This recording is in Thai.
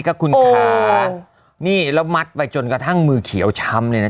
ก็คุณขานี่แล้วมัดไปจนกระทั่งมือเขียวช้ำเลยนะคะ